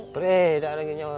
pre gak ada lagi nyawa